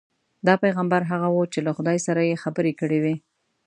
دا پیغمبر هغه وو چې له خدای سره یې خبرې کړې وې.